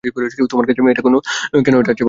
তোমার কাছে কেন এটা আছে, বস?